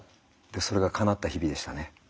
それがかなった日々でしたね。